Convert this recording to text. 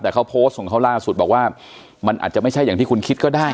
แต่เขาโพสต์ของเขาล่าสุดบอกว่ามันอาจจะไม่ใช่อย่างที่คุณคิดก็ได้